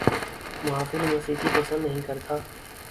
محافل موسیقی پسند نہیں کرتا